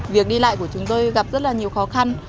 việc đi lại của chúng tôi gặp rất là nhiều khó khăn